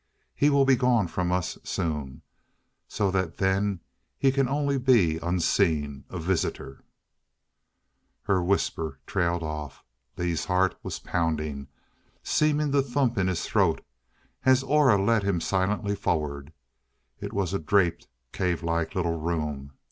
He will be gone from us soon, so that then he can only be unseen. A Visitor " Her whisper trailed off. Lee's heart was pounding, seeming to thump in his throat as Aura led him silently forward. It was a draped, cave like little room.